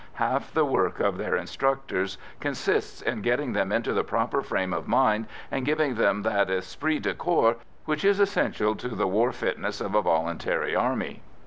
Half the work of their instructors consists in getting them into the proper frame of mind and giving them that esprit de corps which is essential to the war fitness of a voluntary army.